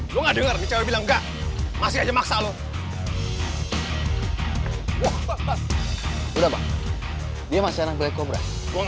lu nggak denger nih bilang enggak masih aja maksa lu